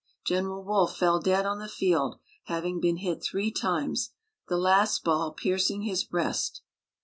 General Wolfe fell dead on the field, having been hit three times, the last ball piercing his breast.